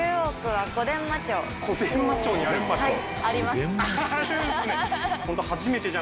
はい。